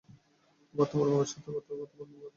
আবার তোমার বাবার সাথেও তো কথা বলতে হবে।